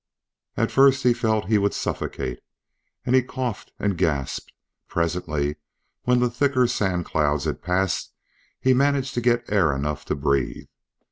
At first he felt that he would suffocate, and he coughed and gasped; but presently, when the thicker sand clouds had passed, he managed to get air enough to breathe.